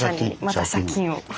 また借金を。